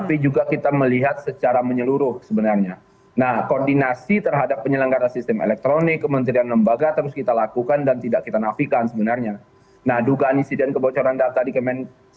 ini merupakan data kementerian sosial yang bocorkan